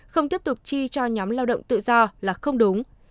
không tiếp tục chi cho nhóm lao động tự do là không đúng